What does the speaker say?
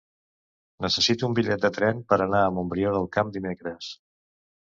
Necessito un bitllet de tren per anar a Montbrió del Camp dimecres.